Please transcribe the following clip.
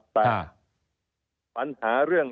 แต่ปัญหาเรื่อง